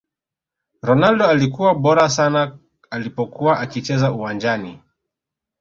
Ronaldo alikuwa bora sana alipokuwa akicheza uwanjani